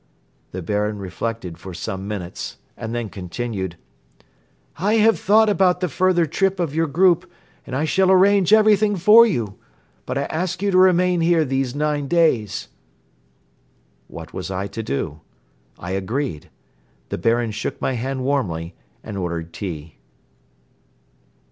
The Baron reflected for some minutes and then continued: "I have thought about the further trip of your group and I shall arrange everything for you, but I ask you to remain here these nine days." What was I to do? I agreed. The Baron shook my hand warmly and ordered tea.